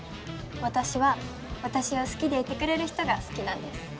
私は私を好きでいてくれる人が好きなんです